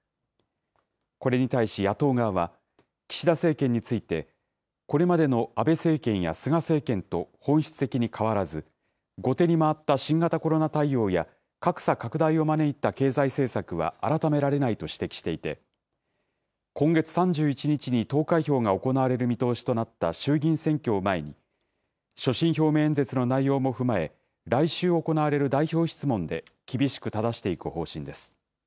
これに対し野党側は、岸田政権について、これまでの安倍政権や菅政権と本質的に変わらず、後手に回った新型コロナ対応や、格差拡大を招いた経済政策は改められないと指摘していて、今月３１日に投開票が行われる見通しとなった衆議院選挙を前に、所信表明演説の内容も踏まえ、来週行われる代表質問で厳しくただしていく方針です。